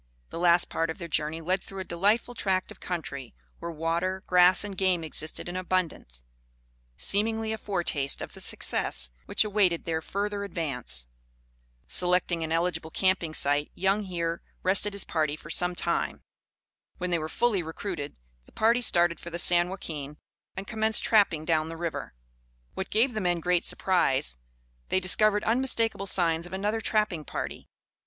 The last part of their journey led through a delightful tract of country, where water, grass and game existed in abundance, seemingly a foretaste of the success which awaited their further advance. Selecting an eligible camping site, Young here rested his party for some time. When they were fully recruited, the party started for the San Joaquin, and commenced trapping down the river. What gave the men great surprise, they discovered unmistakable signs of another trapping party.